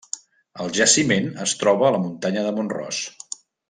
El jaciment es troba a la muntanya de Mont Ros.